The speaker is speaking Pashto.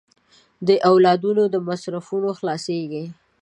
د اولادونو د مصرفونو خلاصېږي.